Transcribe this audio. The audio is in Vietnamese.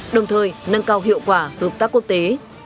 đồng thời nâng cao hiệu quả hợp tác quốc tế